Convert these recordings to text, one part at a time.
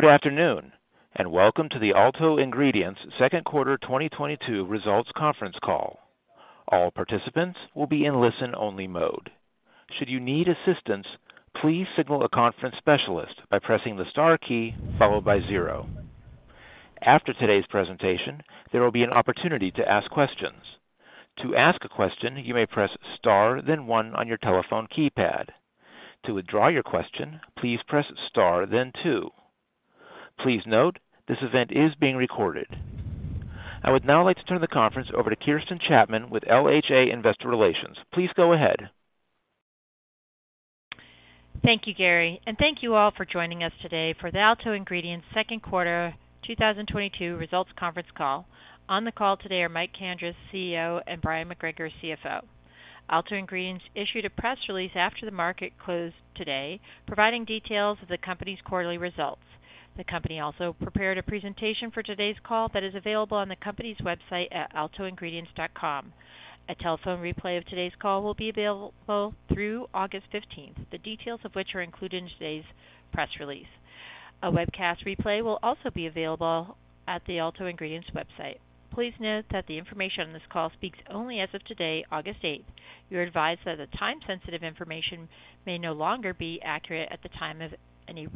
Good afternoon, and welcome to the Alto Ingredients Second Quarter 2022 Results Conference Call. All participants will be in listen-only mode. Should you need assistance, please signal a conference specialist by pressing the star key followed by zero. After today's presentation, there will be an opportunity to ask questions. To ask a question, you may press star then one on your telephone keypad. To withdraw your question, please press star then two. Please note, this event is being recorded. I would now like to turn the conference over to Kirsten Chapman with LHA Investor Relations. Please go ahead. Thank you, Gary, and thank you all for joining us today for the Alto Ingredients Second Quarter 2022 Results Conference Call. On the call today are Michael D. Kandris, CEO, and Bryon T. McGregor, CFO. Alto Ingredients issued a press release after the market closed today, providing details of the company's quarterly results. The company also prepared a presentation for today's call that is available on the company's website at altoingredients.com. A telephone replay of today's call will be available through August 15. The details of which are included in today's press release. A webcast replay will also be available at the Alto Ingredients website. Please note that the information on this call speaks only as of today, August 8. You're advised that the time-sensitive information may no longer be accurate at the time of any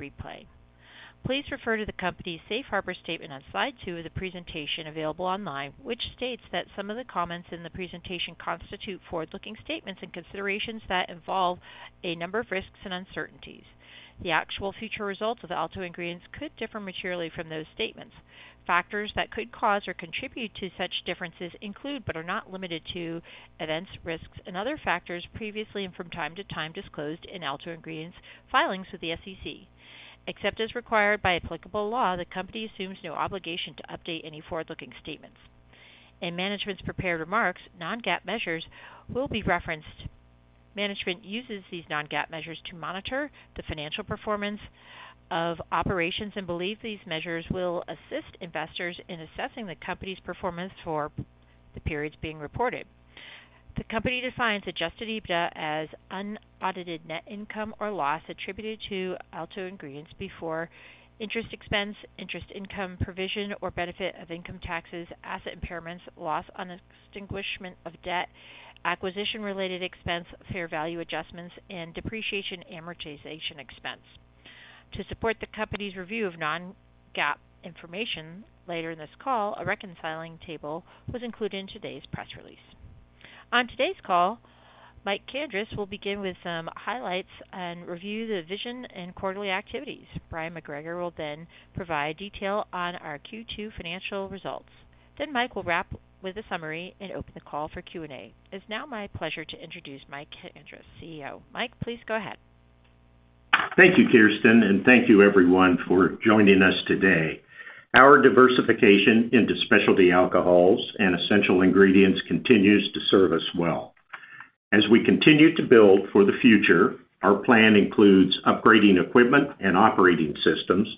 replay. Please refer to the company's safe harbor statement on slide two of the presentation available online, which states that some of the comments in the presentation constitute forward-looking statements and considerations that involve a number of risks and uncertainties. The actual future results of Alto Ingredients could differ materially from those statements. Factors that could cause or contribute to such differences include, but are not limited to events, risks, and other factors previously and from time to time disclosed in Alto Ingredients' filings with the SEC. Except as required by applicable law, the company assumes no obligation to update any forward-looking statements. In management's prepared remarks, non-GAAP measures will be referenced. Management uses these non-GAAP measures to monitor the financial performance of operations and believe these measures will assist investors in assessing the company's performance for the periods being reported. The company defines Adjusted EBITDA as unaudited net income or loss attributed to Alto Ingredients before interest expense, interest income provision or benefit of income taxes, asset impairments, loss on extinguishment of debt, acquisition-related expense, fair value adjustments, and depreciation amortization expense. To support the company's review of non-GAAP information later in this call, a reconciling table was included in today's press release. On today's call, Michael D. Kandris will begin with some highlights and review the vision and quarterly activities. Bryon T. McGregor will then provide detail on our Q2 financial results. Michael D. Kandris will wrap with a summary and open the call for Q&A. It's now my pleasure to introduce Michael D. Kandris, CEO. Michael D. Kandris, please go ahead. Thank you, Kirsten, and thank you everyone for joining us today. Our diversification into specialty alcohols and essential ingredients continues to serve us well. As we continue to build for the future, our plan includes upgrading equipment and operating systems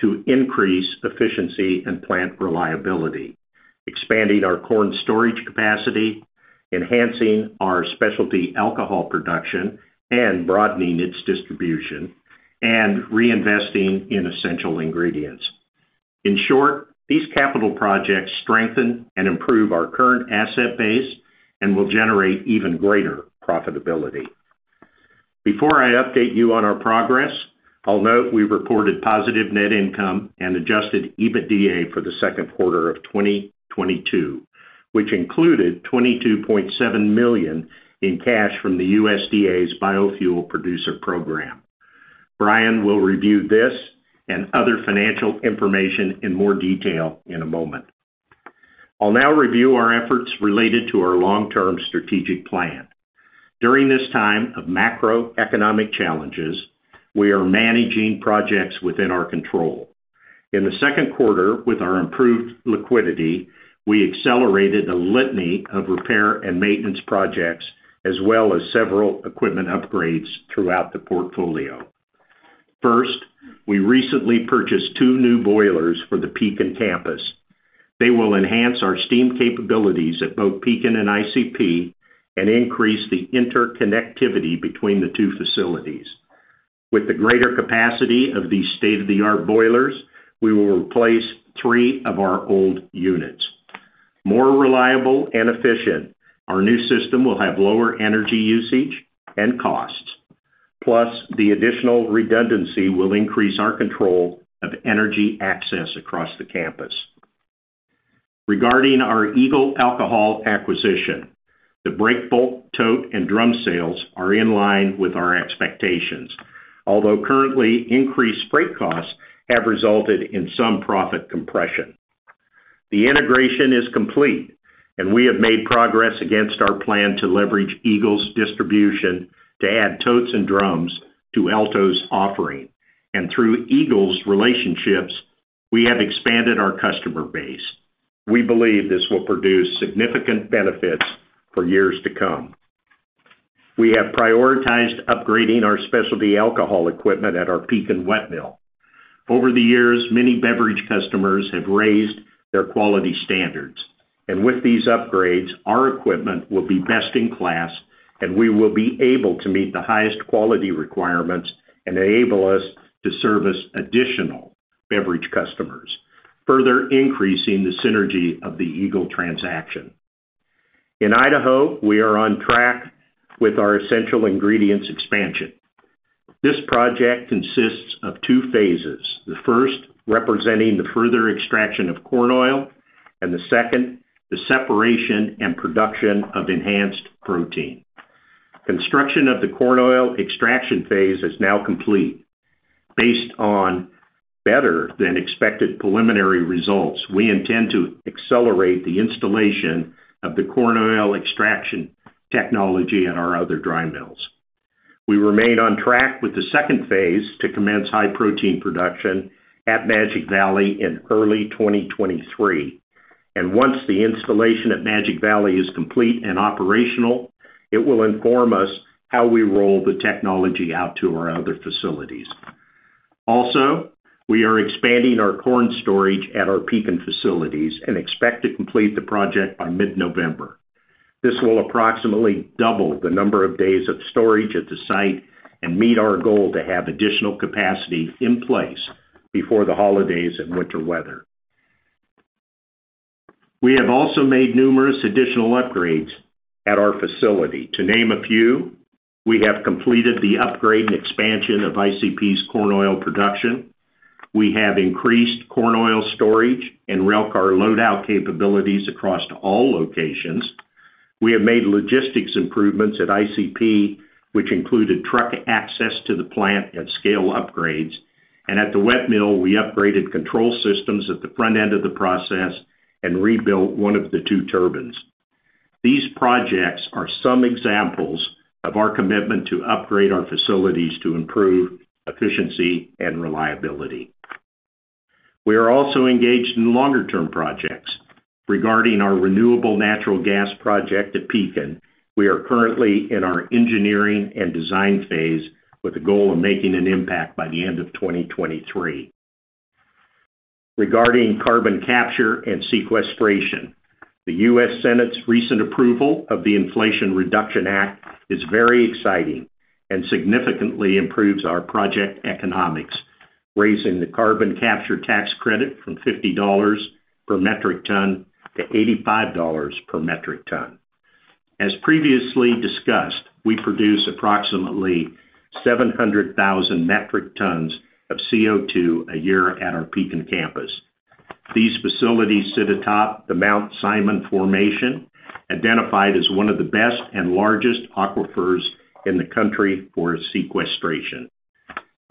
to increase efficiency and plant reliability, expanding our corn storage capacity, enhancing our specialty alcohol production and broadening its distribution, and reinvesting in essential ingredients. In short, these capital projects strengthen and improve our current asset base and will generate even greater profitability. Before I update you on our progress, I'll note we reported positive net income and Adjusted EBITDA for the second quarter of 2022, which included $22.7 million in cash from the USDA's Biofuel Producer Program. Bryon will review this and other financial information in more detail in a moment. I'll now review our efforts related to our long-term strategic plan. During this time of macroeconomic challenges, we are managing projects within our control. In the second quarter, with our improved liquidity, we accelerated a litany of repair and maintenance projects, as well as several equipment upgrades throughout the portfolio. First, we recently purchased two new boilers for the Pekin campus. They will enhance our steam capabilities at both Pekin and ICP and increase the interconnectivity between the two facilities. With the greater capacity of the state-of-the-art boilers, we will replace three of our old units. More reliable and efficient, our new system will have lower energy usage and costs. Plus, the additional redundancy will increase our control of energy access across the campus. Regarding our Eagle Alcohol acquisition, the break bulk tote and drum sales are in line with our expectations. Although currently increased freight costs have resulted in some profit compression. The integration is complete, and we have made progress against our plan to leverage Eagle's distribution to add totes and drums to Alto's offering. Through Eagle's relationships, we have expanded our customer base. We believe this will produce significant benefits for years to come. We have prioritized upgrading our specialty alcohol equipment at our Pekin wet mill. Over the years, many beverage customers have raised their quality standards. With these upgrades, our equipment will be best in class, and we will be able to meet the highest quality requirements and enable us to service additional beverage customers, further increasing the synergy of the Eagle transaction. In Idaho, we are on track with our essential ingredients expansion. This project consists of two phases. The first, representing the further extraction of corn oil, and the second, the separation and production of enhanced protein. Construction of the corn oil extraction phase is now complete. Based on better than expected preliminary results, we intend to accelerate the installation of the corn oil extraction technology in our other dry mills. We remain on track with the second phase to commence high protein production at Magic Valley in early 2023. Once the installation at Magic Valley is complete and operational, it will inform us how we roll the technology out to our other facilities. Also, we are expanding our corn storage at our Pekin facilities and expect to complete the project by mid-November. This will approximately double the number of days of storage at the site and meet our goal to have additional capacity in place before the holidays and winter weather. We have also made numerous additional upgrades at our facility. To name a few, we have completed the upgrade and expansion of ICP's corn oil production. We have increased corn oil storage and rail car load out capabilities across all locations. We have made logistics improvements at ICP, which included truck access to the plant and scale upgrades. At the wet mill, we upgraded control systems at the front end of the process and rebuilt one of the two turbines. These projects are some examples of our commitment to upgrade our facilities to improve efficiency and reliability. We are also engaged in longer term projects. Regarding our renewable natural gas project at Pekin, we are currently in our engineering and design phase with the goal of making an impact by the end of 2023. Regarding carbon capture and sequestration, the U.S. Senate's recent approval of the Inflation Reduction Act is very exciting and significantly improves our project economics, raising the carbon capture tax credit from $50 per metric ton to $85 per metric ton. As previously discussed, we produce approximately 700,000 metric tons of a year at our Pekin campus. These facilities sit atop the Mount Simon Formation, identified as one of the best and largest aquifers in the country for sequestration.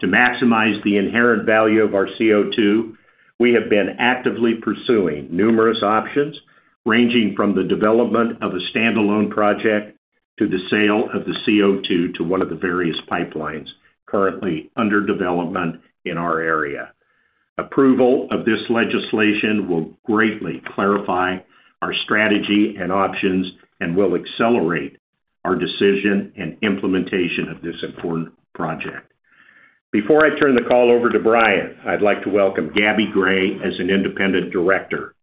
To maximize the inherent value of our CO₂, we have been actively pursuing numerous options, ranging from the development of a standalone project to the sale of the CO₂ to one of the various pipelines currently under development in our area. Approval of this legislation will greatly clarify our strategy and options and will accelerate our decision and implementation of this important project. Before I turn the call over to Bryon, I'd like to welcome Gabby Gray as an independent director,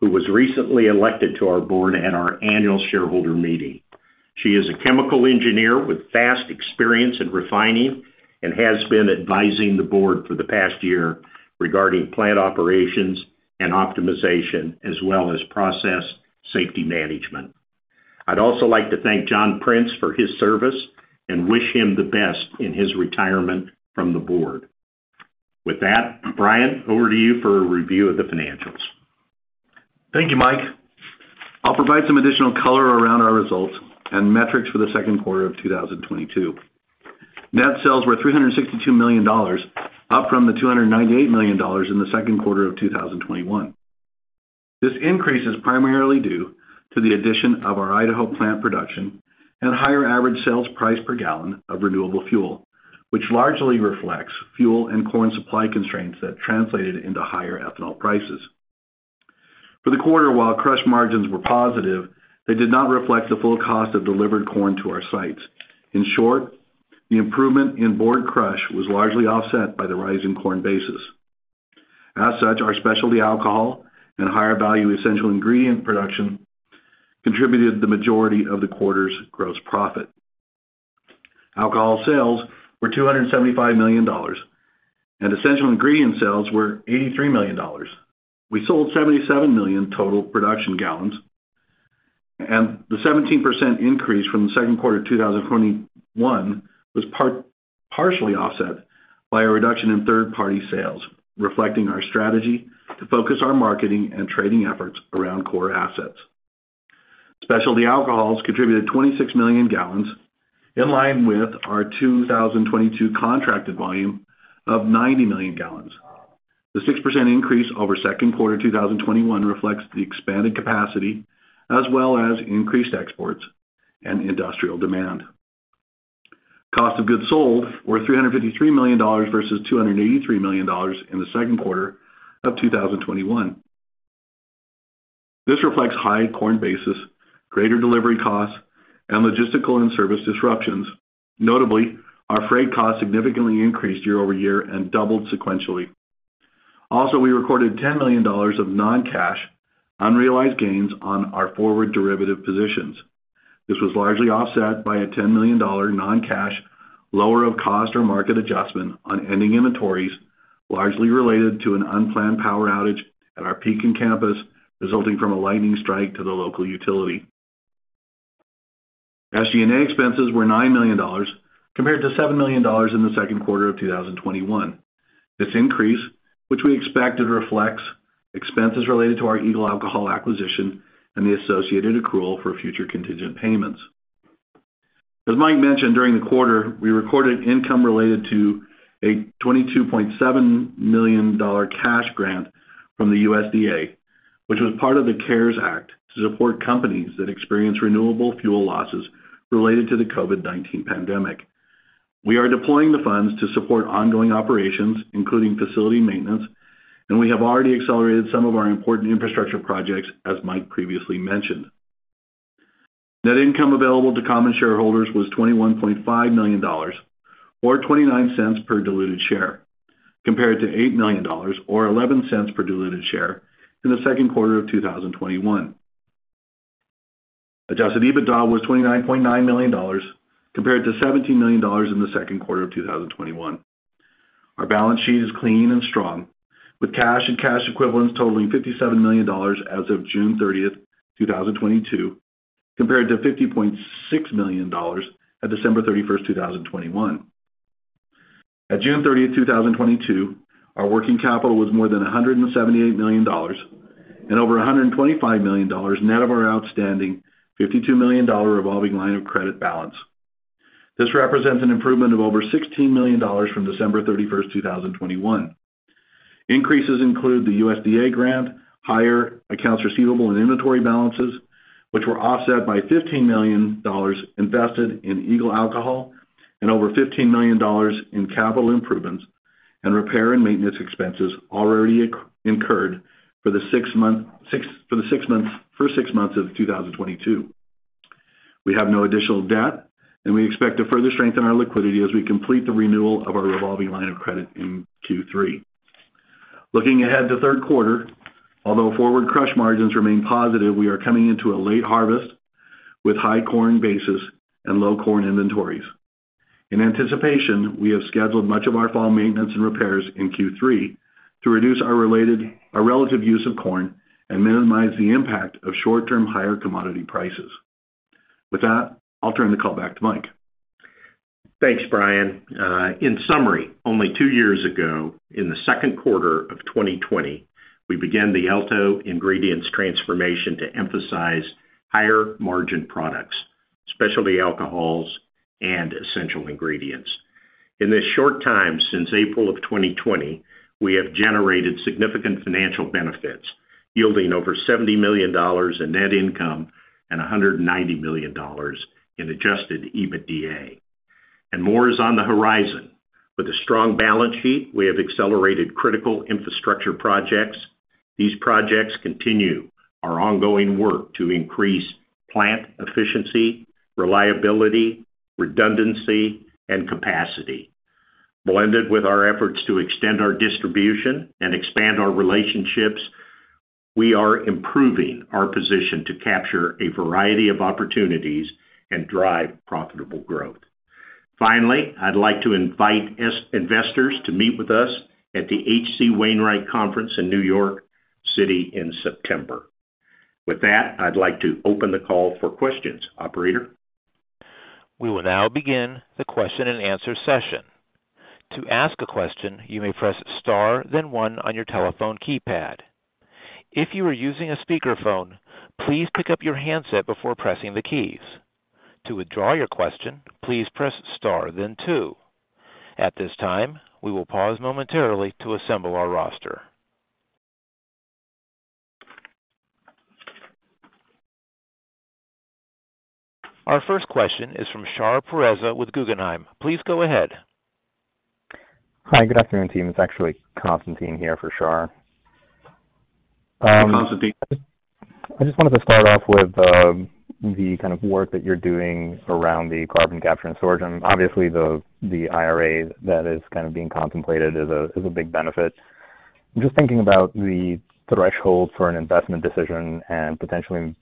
who was recently elected to our board at our annual shareholder meeting. She is a chemical engineer with vast experience in refining and has been advising the board for the past year regarding plant operations and optimization, as well as process safety management. I'd also like to thank John Prince for his service and wish him the best in his retirement from the board. With that, Bryon, over to you for a review of the financials. Thank you, Mike. I'll provide some additional color around our results and metrics for the second quarter of 2022. Net sales were $362 million, up from the $298 million in the second quarter of 2021. This increase is primarily due to the addition of our Idaho plant production and higher average sales price per gallon of renewable fuel, which largely reflects fuel and corn supply constraints that translated into higher ethanol prices. For the quarter, while crush margins were positive, they did not reflect the full cost of delivered corn to our sites. In short, the improvement in board crush was largely offset by the rise in corn basis. As such, our specialty alcohol and higher value essential ingredient production contributed the majority of the quarter's gross profit. Alcohol sales were $275 million, and essential ingredient sales were $83 million. We sold 77 million total production gallons, and the 17% increase from the second quarter of 2021 was partially offset by a reduction in third-party sales, reflecting our strategy to focus our marketing and trading efforts around core assets. Specialty alcohols contributed 26 million gallons in line with our 2022 contracted volume of 90 million gallons. The 6% increase over second quarter 2021 reflects the expanded capacity as well as increased exports and industrial demand. Cost of goods sold were $353 million versus $283 million in the second quarter of 2021. This reflects high corn basis, greater delivery costs and logistical and service disruptions. Notably, our freight costs significantly increased year-over-year and doubled sequentially. Also, we recorded $10 million of non-cash unrealized gains on our forward derivative positions. This was largely offset by a $10 million non-cash lower of cost or market adjustment on ending inventories, largely related to an unplanned power outage at our Pekin campus resulting from a lightning strike to the local utility. SG&A expenses were $9 million compared to $7 million in the second quarter of 2021. This increase, which we expected, reflects expenses related to our Eagle Alcohol acquisition and the associated accrual for future contingent payments. As Mike mentioned, during the quarter, we recorded income related to a $22.7 million cash grant from the USDA, which was part of the CARES Act to support companies that experience renewable fuel losses related to the COVID-19 pandemic. We are deploying the funds to support ongoing operations, including facility maintenance, and we have already accelerated some of our important infrastructure projects, as Mike previously mentioned. Net income available to common shareholders was $21.5 million or $0.29 per diluted share, compared to $8 million or $0.11 per diluted share in the second quarter of 2021. Adjusted EBITDA was $29.9 million, compared to $17 million in the second quarter of 2021. Our balance sheet is clean and strong, with cash and cash equivalents totaling $57 million as of June 30, 2022, compared to $50.6 million at December 31, 2021. At June 30, 2022, our working capital was more than $178 million and over $125 million net of our outstanding $52 million revolving line of credit balance. This represents an improvement of over $16 million from December 31, 2021. Increases include the USDA grant, higher accounts receivable and inventory balances, which were offset by $15 million invested in Eagle Alcohol and over $15 million in capital improvements and repair and maintenance expenses already incurred for the first six months of 2022. We have no additional debt, and we expect to further strengthen our liquidity as we complete the renewal of our revolving line of credit in Q3. Looking ahead to third quarter, although forward crush margins remain positive, we are coming into a late harvest with high corn basis and low corn inventories. In anticipation, we have scheduled much of our fall maintenance and repairs in Q3 to reduce our relative use of corn and minimize the impact of short-term higher commodity prices. With that, I'll turn the call back to Mike. Thanks, Bryon. In summary, only two years ago, in the second quarter of 2020, we began the Alto Ingredients transformation to emphasize higher margin products, specialty alcohols and essential ingredients. In this short time since April of 2020, we have generated significant financial benefits, yielding over $70 million in net income and $190 million in Adjusted EBITDA. More is on the horizon. With a strong balance sheet, we have accelerated critical infrastructure projects. These projects continue our ongoing work to increase plant efficiency, reliability, redundancy, and capacity. Blended with our efforts to extend our distribution and expand our relationships, we are improving our position to capture a variety of opportunities and drive profitable growth. Finally, I'd like to invite investors to meet with us at the H.C. Wainwright Conference in New York City in September. With that, I'd like to open the call for questions. Operator? We will now begin the question-and-answer session. To ask a question, you may press star then one on your telephone keypad. If you are using a speakerphone, please pick up your handset before pressing the keys. To withdraw your question, please press star then two. At this time, we will pause momentarily to assemble our roster. Our first question is from Chetan Khulbe with Guggenheim. Please go ahead. Hi, good afternoon, team. It's actually Constantine here for Chetan. Hi, Constantine. I just wanted to start off with the kind of work that you're doing around the carbon capture and storage. Obviously, the IRA that is kind of being contemplated is a big benefit. Just thinking about the threshold for an investment decision and potentially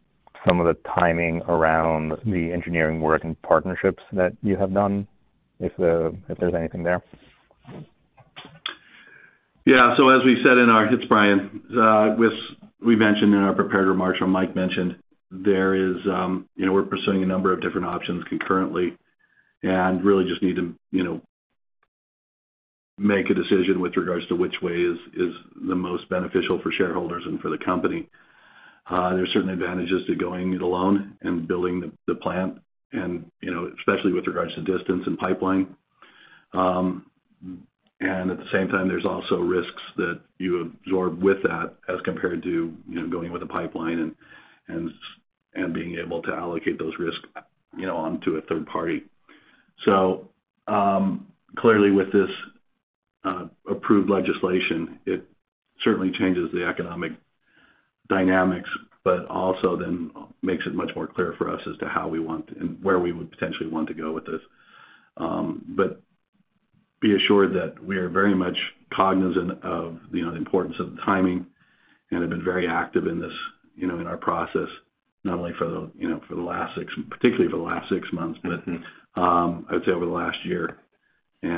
some of the timing around the engineering work and partnerships that you have done, if there's anything there. Yeah. As we said in our prepared remarks, it's Bryon. We mentioned in our prepared remarks, or Mike mentioned, there is, you know, we're pursuing a number of different options concurrently and really just need to, you know, make a decision with regards to which way is the most beneficial for shareholders and for the company. There's certain advantages to going it alone and building the plant and, you know, especially with regards to distance and pipeline. At the same time, there's also risks that you absorb with that as compared to, you know, going with a pipeline and being able to allocate those risks, you know, onto a third party. Clearly with this approved legislation, it certainly changes the economic dynamics, but also then makes it much more clear for us as to how we want and where we would potentially want to go with this. Be assured that we are very much cognizant of, you know, the importance of the timing and have been very active in this, you know, in our process, not only particularly for the last six months, but I would say over the last year. You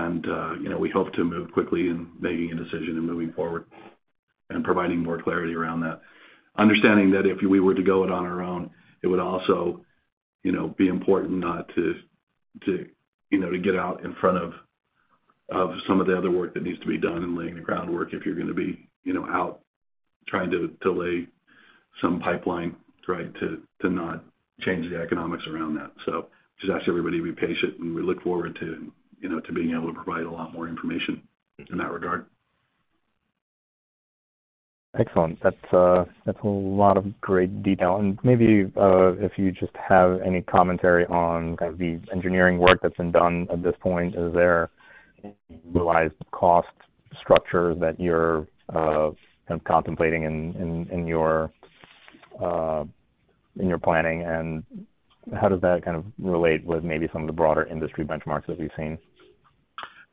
know, we hope to move quickly in making a decision and moving forward and providing more clarity around that. Understanding that if we were to go it on our own, it would also, you know, be important not to, you know, to get out in front of some of the other work that needs to be done in laying the groundwork if you're gonna be, you know, out trying to lay some pipeline, right? To not change the economics around that. Just ask everybody to be patient, and we look forward to, you know, to being able to provide a lot more information in that regard. Excellent. That's a lot of great detail. Maybe if you just have any commentary on kind of the engineering work that's been done at this point. Is there realized cost structure that you're kind of contemplating in your planning, and how does that kind of relate with maybe some of the broader industry benchmarks that we've seen?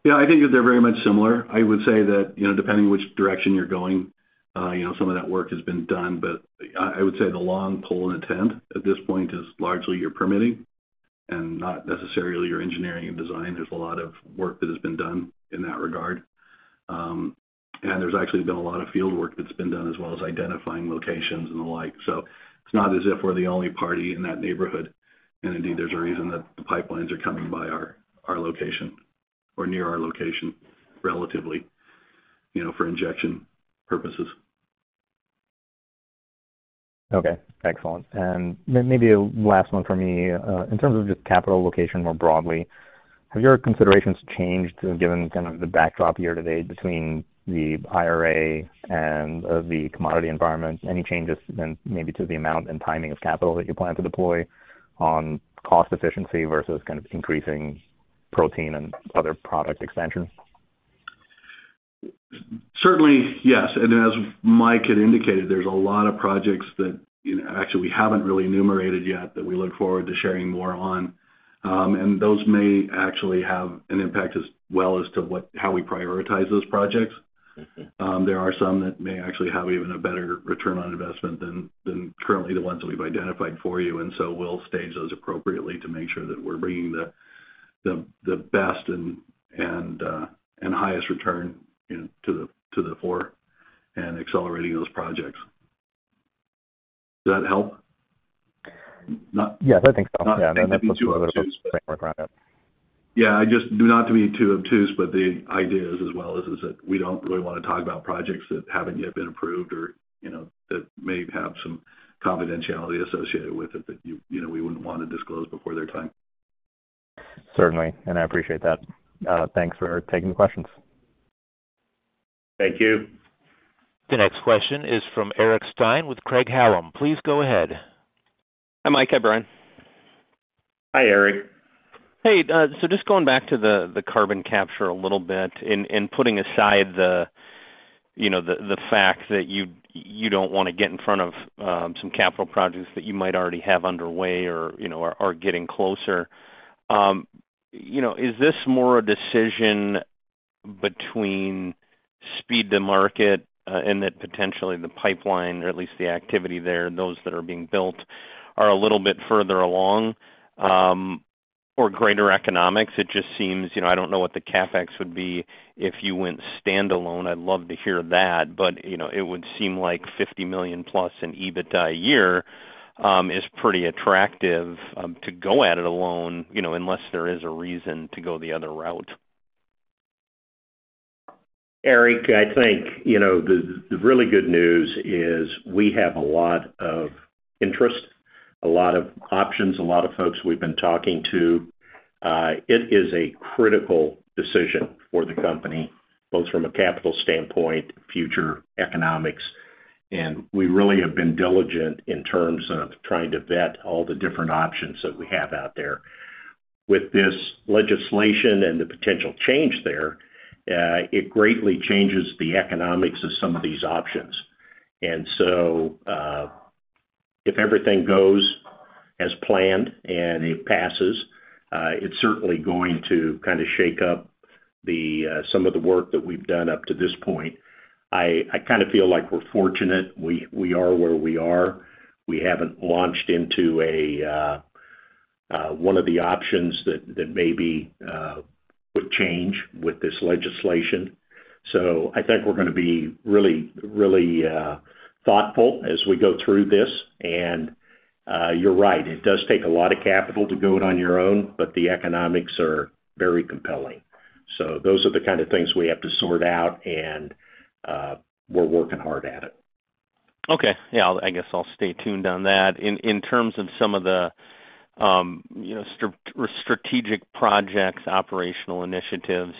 Yeah. I think that they're very much similar. I would say that, you know, depending on which direction you're going, you know, some of that work has been done. I would say the long pole in the tent at this point is largely your permitting and not necessarily your engineering and design. There's a lot of work that has been done in that regard. And there's actually been a lot of field work that's been done, as well as identifying locations and the like. It's not as if we're the only party in that neighborhood. Indeed, there's a reason that the pipelines are coming by our location or near our location, relatively, you know, for injection purposes. Okay, excellent. Maybe a last one for me. In terms of just capital allocation more broadly, have your considerations changed given kind of the backdrop year-to-date between the IRA and the commodity environment? Any changes then maybe to the amount and timing of capital that you plan to deploy on cost efficiency versus kind of increasing protein and other product expansion? Certainly, yes. As Mike had indicated, there's a lot of projects that, you know, actually we haven't really enumerated yet that we look forward to sharing more on. Those may actually have an impact as well as to how we prioritize those projects. Mm-hmm. There are some that may actually have even a better return on investment than currently the ones that we've identified for you. We'll stage those appropriately to make sure that we're bringing the best and highest return, you know, to the fore and accelerating those projects. Does that help? Yes, I think so. Not meant to be too obtuse, but. Yeah. That puts some other folks' framework around it. Yeah. Not to be too obtuse, but the idea is, as well as is that we don't really wanna talk about projects that haven't yet been approved or, you know, that may have some confidentiality associated with it that you know, we wouldn't wanna disclose before their time. Certainly. I appreciate that. Thanks for taking the questions. Thank you. The next question is from Eric Stine with Craig-Hallum. Please go ahead. Hi, Mike. Hi, Bryon. Hi, Eric. Hey. So just going back to the carbon capture a little bit and putting aside you know, the fact that you don't wanna get in front of some capital projects that you might already have underway or you know, are getting closer you know, is this more a decision between speed to market and that potentially the pipeline or at least the activity there, those that are being built are a little bit further along or greater economics? It just seems you know, I don't know what the CapEx would be if you went standalone. I'd love to hear that. You know, it would seem like $50 million+ in EBITDA a year is pretty attractive to go at it alone you know, unless there is a reason to go the other route. Eric, I think, you know, the really good news is we have a lot of interest, a lot of options, a lot of folks we've been talking to. It is a critical decision for the company, both from a capital standpoint, future economics, and we really have been diligent in terms of trying to vet all the different options that we have out there. With this legislation and the potential change there, it greatly changes the economics of some of these options. If everything goes as planned and it passes, it's certainly going to kind of shake up some of the work that we've done up to this point. I kind of feel like we're fortunate we are where we are. We haven't launched into one of the options that maybe would change with this legislation. I think we're gonna be really thoughtful as we go through this. You're right, it does take a lot of capital to do it on your own, but the economics are very compelling. Those are the kind of things we have to sort out, and we're working hard at it. Okay. Yeah. I guess I'll stay tuned on that. In terms of some of the, you know, strategic projects, operational initiatives,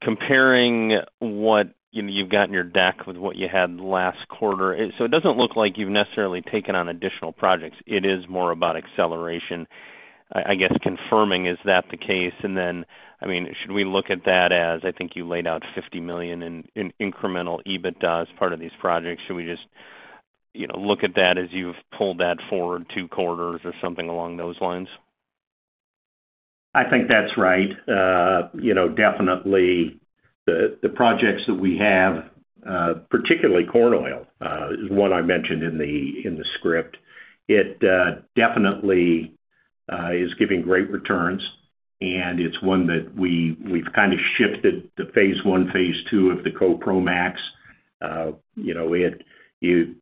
comparing what, you know, you've got in your deck with what you had last quarter. It doesn't look like you've necessarily taken on additional projects. It is more about acceleration. I guess confirming is that the case? I mean, should we look at that as, I think, you laid out $50 million in incremental EBITDA as part of these projects. Should we just, you know, look at that as you've pulled that forward two quarters or something along those lines? I think that's right. You know, definitely the projects that we have, particularly corn oil, is one I mentioned in the script. It definitely is giving great returns, and it's one that we've kind of shifted to phase one, phase two of the CoPro Max. You know,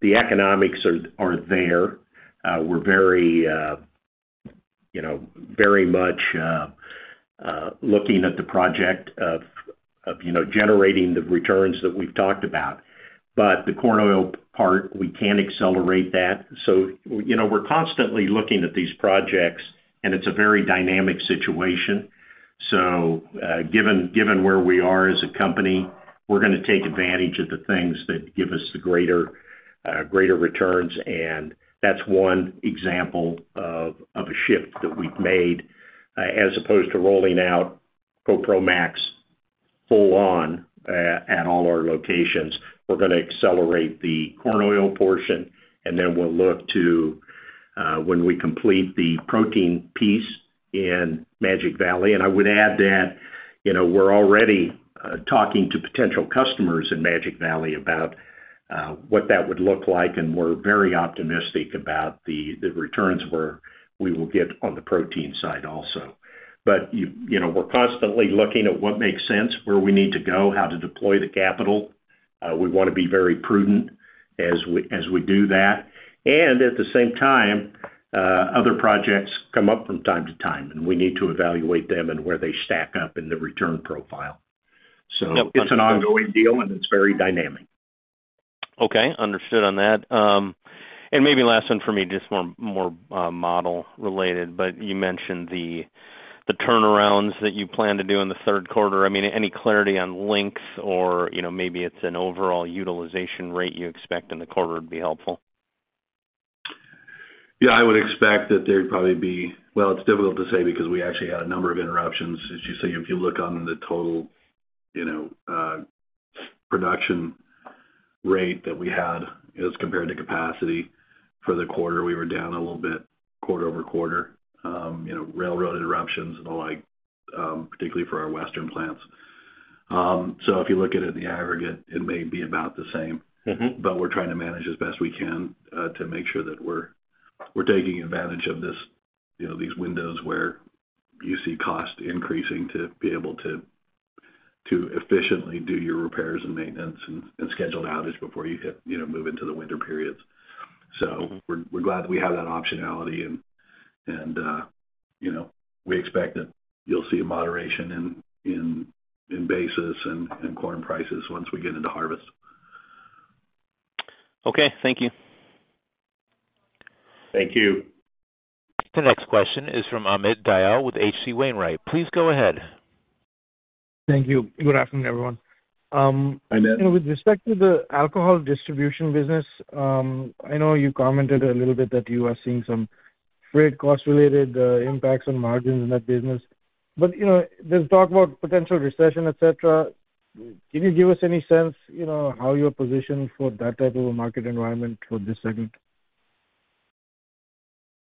the economics are there. We're very you know, very much looking at the project of you know, generating the returns that we've talked about. But the corn oil part, we can accelerate that. You know, we're constantly looking at these projects, and it's a very dynamic situation. Given where we are as a company, we're gonna take advantage of the things that give us the greater returns. That's one example of a shift that we've made, as opposed to rolling out CoPro Max full on at all our locations. We're gonna accelerate the corn oil portion, and then we'll look to when we complete the protein piece in Magic Valley. I would add that, you know, we're already talking to potential customers in Magic Valley about what that would look like, and we're very optimistic about the returns we will get on the protein side also. You know, we're constantly looking at what makes sense, where we need to go, how to deploy the capital. We wanna be very prudent as we do that. At the same time, other projects come up from time to time, and we need to evaluate them and where they stack up in the return profile. It's an ongoing deal and it's very dynamic. Okay, understood on that. And maybe last one for me, just more model related. You mentioned the turnarounds that you plan to do in the third quarter. I mean, any clarity on links or, you know, maybe it's an overall utilization rate you expect in the quarter would be helpful. Yeah, I would expect that there'd probably be. Well, it's difficult to say because we actually had a number of interruptions. As you say, if you look on the total, you know, production rate that we had as compared to capacity for the quarter, we were down a little bit quarter-over-quarter. You know, railroad interruptions and the like, particularly for our Western plants. So if you look at it in the aggregate, it may be about the same. Mm-hmm. We're trying to manage as best we can to make sure that we're taking advantage of this, you know, these windows where you see costs increasing to be able to efficiently do your repairs and maintenance and scheduled outage before you hit, you know, move into the winter periods. We're glad we have that optionality and, you know, we expect that you'll see a moderation in basis and corn prices once we get into harvest. Okay. Thank you. Thank you. The next question is from Amit Dayal with H.C. Wainwright & Co. Please go ahead. Thank you. Good afternoon, everyone. Hi, Amit. You know, with respect to the alcohol distribution business, I know you commented a little bit that you are seeing some freight cost related impacts on margins in that business. You know, there's talk about potential recession, et cetera. Can you give us any sense, you know, how you're positioned for that type of a market environment for this segment?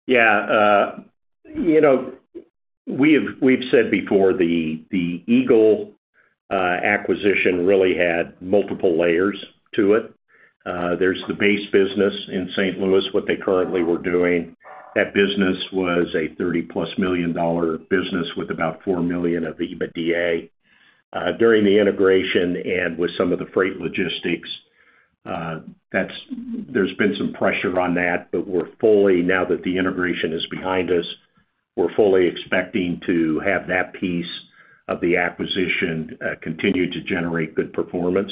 You know, we've said before the Eagle acquisition really had multiple layers to it. There's the base business in St. Louis, what they currently were doing. That business was a $30+ million business with about $4 million of EBITDA. During the integration and with some of the freight logistics, there's been some pressure on that. Now that the integration is behind us, we're fully expecting to have that piece of the acquisition continue to generate good performance.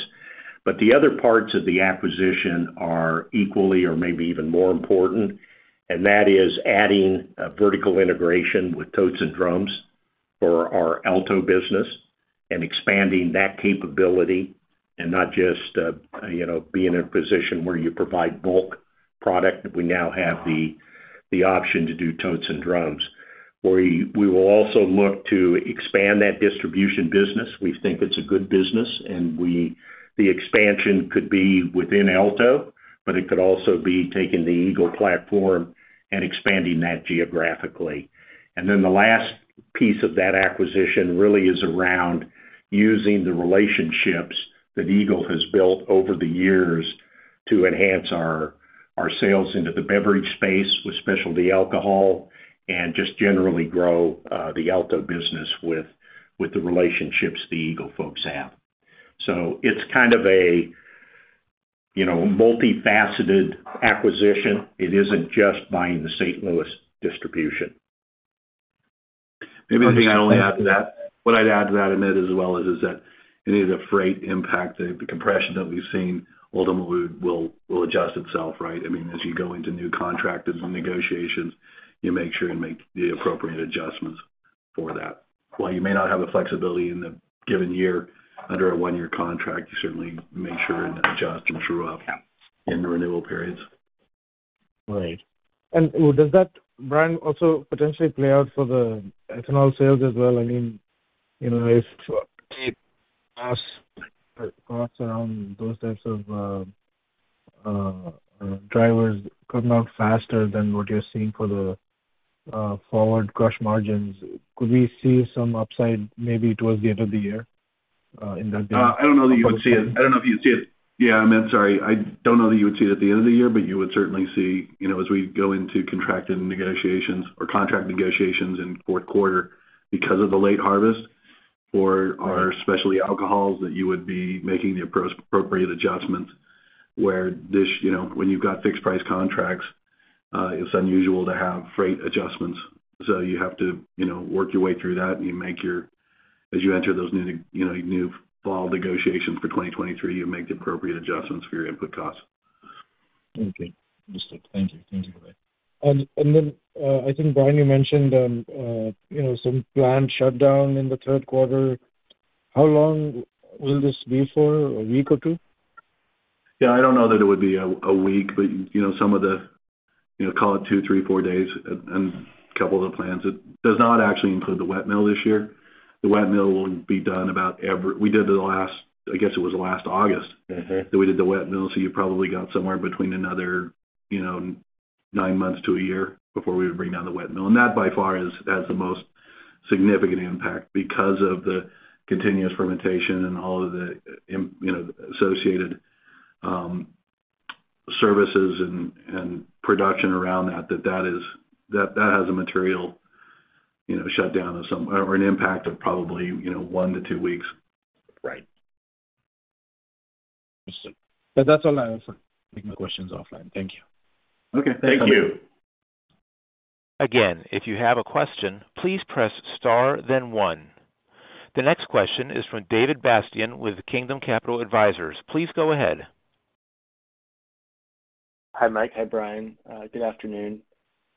The other parts of the acquisition are equally or maybe even more important, and that is adding a vertical integration with totes and drums for our Alto business and expanding that capability and not just you know, be in a position where you provide bulk product. We now have the option to do totes and drums. We will also look to expand that distribution business. We think it's a good business, and the expansion could be within Alto, but it could also be taking the Eagle platform and expanding that geographically. The last piece of that acquisition really is around using the relationships that Eagle has built over the years to enhance our sales into the beverage space with specialty alcohol and just generally grow the Alto business with the relationships the Eagle folks have. It's kind of a multifaceted acquisition. It isn't just buying the St. Louis distribution. What I'd add to that, Amit, as well, is that any of the freight impact, the compression that we've seen, ultimately will adjust itself, right? I mean, as you go into new contract negotiations, you make sure you make the appropriate adjustments for that. While you may not have the flexibility in the given year under a one-year contract, you certainly make sure and adjust and true up in the renewal periods. Right. Does that, Bryon, also potentially play out for the ethanol sales as well? I mean, you know, if around those types of drivers come out faster than what you're seeing for the forward crush margins, could we see some upside maybe towards the end of the year in that- I don't know if you'd see it. Yeah, Amit, sorry. I don't know that you would see it at the end of the year, but you would certainly see, you know, as we go into contracted negotiations or contract negotiations in fourth quarter because of the late harvest for our specialty alcohols, that you would be making the appropriate adjustments. Where this, you know, when you've got fixed price contracts, it's unusual to have freight adjustments. So you have to, you know, work your way through that and you make your as you enter those new, you know, new fall negotiations for 2023, you make the appropriate adjustments for your input costs. Okay. Understood. Thank you. Thank you for that. I think, Bryon, you mentioned some plant shutdown in the third quarter. How long will this be for? A week or two? Yeah, I don't know that it would be a week. You know, some of the, you know, call it two, three, four days in a couple of the plants. It does not actually include the wet mill this year. The wet mill will be done. We did it the last, I guess it was the last August. Mm-hmm. that we did the wet mill. You probably got somewhere between another, you know, nine months to a year before we would bring down the wet mill. That by far has the most significant impact because of the continuous fermentation and all of the, you know, associated services and production around that that has a material, you know, shutdown of some or an impact of probably, you know, one to two weeks. Right. Understood. That's all I have. I'll take my questions offline. Thank you. Okay. Thank you. Again, if you have a question, please press star then one. The next question is from David Bastian with Kingdom Capital Advisors. Please go ahead. Hi, Mike. Hi, Bryon. Good afternoon.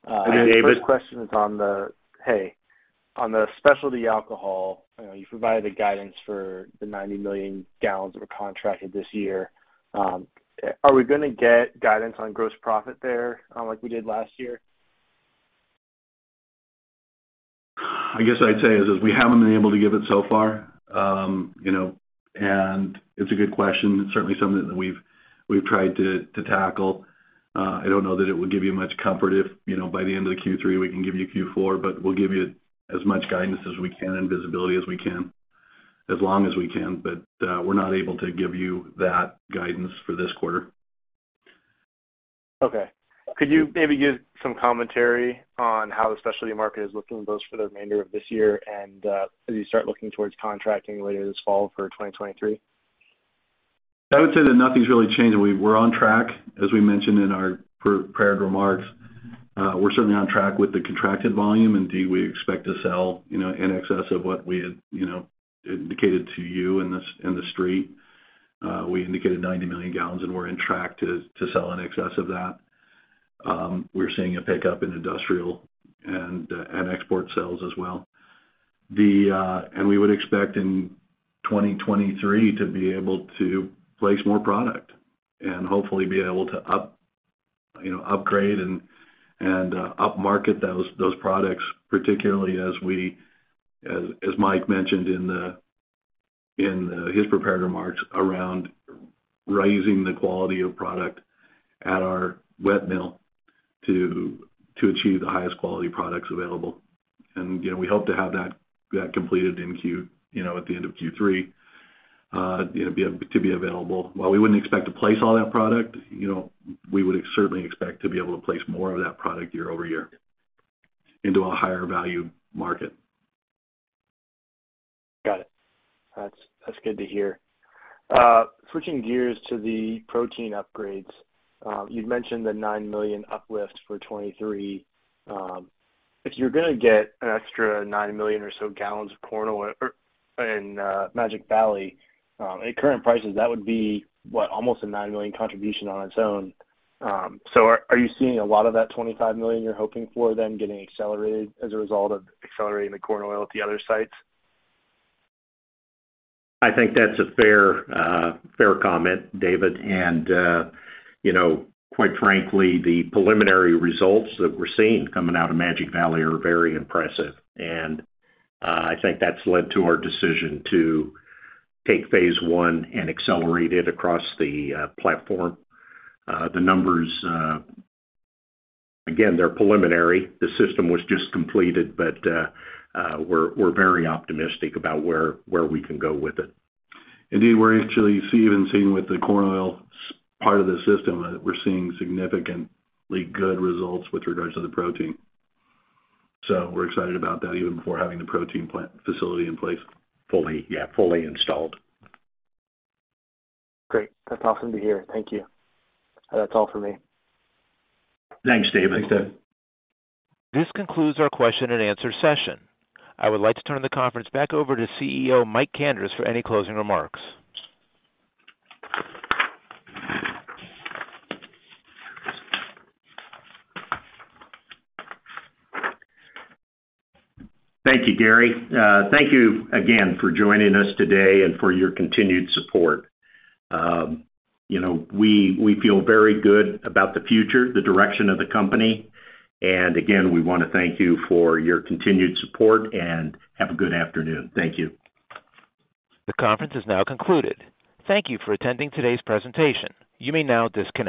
Hey, David. First question is on the specialty alcohol. You know, you provided the guidance for the 90 million gallons that were contracted this year. Are we gonna get guidance on gross profit there, like we did last year? I guess I'd say we haven't been able to give it so far. You know, it's a good question. It's certainly something that we've tried to tackle. I don't know that it would give you much comfort if, you know, by the end of the Q3, we can give you Q4, but we'll give you as much guidance as we can and visibility as we can, as long as we can. We're not able to give you that guidance for this quarter. Okay. Could you maybe give some commentary on how the specialty market is looking both for the remainder of this year and as you start looking towards contracting later this fall for 2023? I would say that nothing's really changed. We're on track, as we mentioned in our prepared remarks. We're certainly on track with the contracted volume. Indeed, we expect to sell, you know, in excess of what we had, you know, indicated to you in the Street. We indicated 90 million gallons, and we're on track to sell in excess of that. We're seeing a pickup in industrial and export sales as well. We would expect in 2023 to be able to place more product and hopefully be able to upgrade and up market those products, particularly as Mike mentioned in his prepared remarks around raising the quality of product at our wet mill to achieve the highest quality products available. You know, we hope to have that completed in Q, you know, at the end of Q3, you know, to be available. While we wouldn't expect to place all that product, you know, we would certainly expect to be able to place more of that product year over year into a higher value market. Got it. That's good to hear. Switching gears to the protein upgrades. You'd mentioned the $9 million uplift for 2023. If you're gonna get an extra 9 million or so gallons of corn oil in Magic Valley at current prices, that would be, what? Almost a $9 million contribution on its own. Are you seeing a lot of that $25 million you're hoping for then getting accelerated as a result of accelerating the corn oil at the other sites? I think that's a fair comment, David. You know, quite frankly, the preliminary results that we're seeing coming out of Magic Valley are very impressive. I think that's led to our decision to take phase I and accelerate it across the platform. The numbers, again, they're preliminary. The system was just completed, but we're very optimistic about where we can go with it. Indeed, we're actually even seeing with the corn oil part of the system, we're seeing significantly good results with regards to the protein. We're excited about that even before having the protein plant facility in place. Fully, yeah, fully installed. Great. That's awesome to hear. Thank you. That's all for me. Thanks, David. Thanks, David. This concludes our question and answer session. I would like to turn the conference back over to CEO Mike Kandris for any closing remarks. Thank you, Gary. Thank you again for joining us today and for your continued support. You know, we feel very good about the future, the direction of the company. Again, we wanna thank you for your continued support, and have a good afternoon. Thank you. The conference is now concluded. Thank you for attending today's presentation. You may now disconnect.